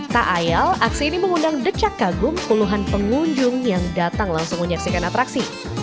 tak ayal aksi ini mengundang decak kagum puluhan pengunjung yang datang langsung menyaksikan atraksi